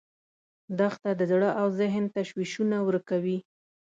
دښته د زړه او ذهن تشویشونه ورکوي.